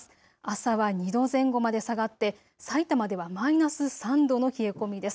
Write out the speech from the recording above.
朝は２度前後まで下がって、さいたまではマイナス３度の冷え込みです。